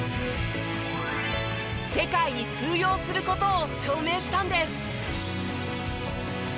世界に通用する事を証明したんです。